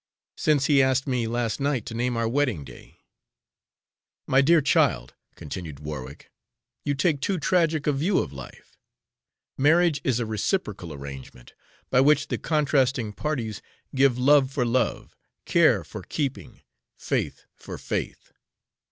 "Since he asked me last night to name our wedding day." "My dear child," continued Warwick, "you take too tragic a view of life. Marriage is a reciprocal arrangement, by which the contracting parties give love for love, care for keeping, faith for faith.